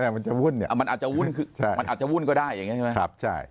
มันอาจจะวุ่นก็ได้อย่างนี้ใช่ไหม